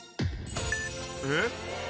えっ？